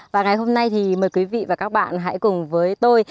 và ngày hôm nay thì mời quý vị và các bạn hãy cùng với tôi